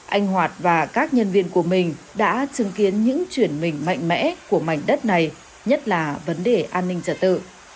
anh hoạt và các nhân viên của mình đã chứng kiến những chuyển mình mạnh mẽ của mảnh đất này nhất là vấn đề an ninh trả tự